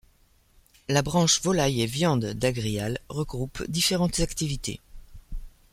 La branche Volailles & Viandes d'Agrial regroupe différentes activités.